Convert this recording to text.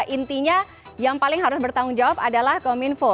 intinya yang paling harus bertanggung jawab adalah kominfo